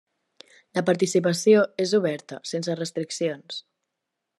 La participació és oberta, sense restriccions.